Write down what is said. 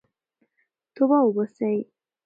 توبه وباسئ.